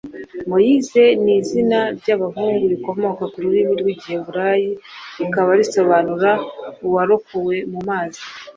Moïse ni izina ry’abahungu rikomoka ku rurimi rw’Igiheburayi rikaba risobanura “Uwarokowe mu mazi”